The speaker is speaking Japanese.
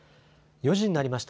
４時になりました。